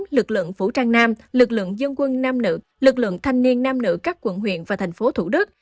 lực lượng vũ trang nam lực lượng dân quân nam nữ lực lượng thanh niên nam nữ các quận huyện và thành phố thủ đức